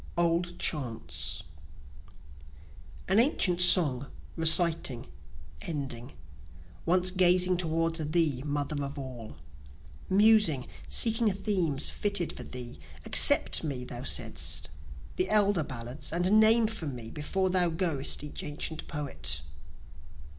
Old Chants An ancient song, reciting, ending, Once gazing toward thee, Mother of All, Musing, seeking themes fitted for thee, Accept me, thou saidst, the elder ballads, And name for me before thou goest each ancient poet.